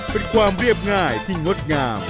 เป็นความเรียบง่ายที่งดงาม